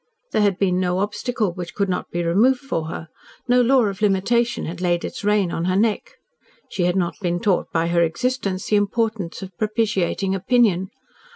There had been no obstacle which could not be removed for her, no law of limitation had laid its rein on her neck. She had not been taught by her existence the importance of propitiating opinion.